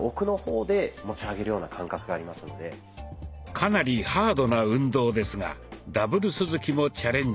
かなりハードな運動ですがＷ鈴木もチャレンジ。